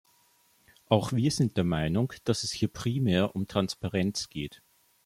Auch wir sind der Meinung, dass es hier primär um Transparenz geht.